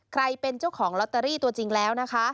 ใครเป็นเจ้าของลอตเตอรี่ตัวจริงแล้วนะคะ